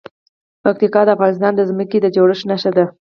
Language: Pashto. پکتیکا د افغانستان د ځمکې د جوړښت نښه ده.